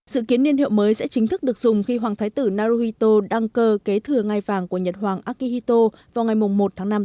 dự kiến niên hiệu mới sẽ chính thức được dùng khi hoàng thái tử naruhito đăng cơ kế thừa ngai vàng của nhật hoàng akihito vào ngày một tháng năm năm hai nghìn một mươi chín